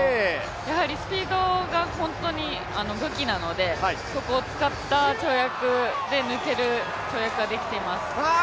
やはりスピードが本当に武器なのでそこを使った跳躍で抜ける跳躍ができています。